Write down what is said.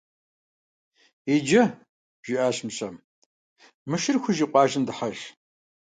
Иджы, - жиӀащ Мыщэм, - мы шыр хужи къуажэм дыхьэж.